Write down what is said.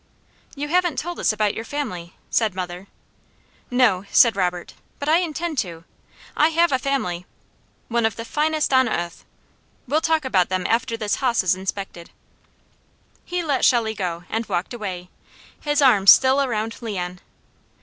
"You haven't told us about your family," said mother. "No," said Robert, "but I intend to. I have a family! One of the finest on uth. We'll talk about them after this hoss is inspected." He let Shelley go and walked away, his arm still around Leon.